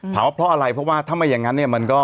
ว่าเพราะอะไรเพราะว่าถ้าไม่อย่างนั้นเนี่ยมันก็